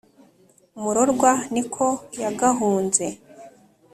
murorwa ni ko yagahunze